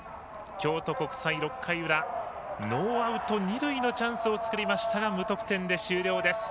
京都国際６回裏ノーアウト、二塁のチャンスを作りましたが無得点で終了です。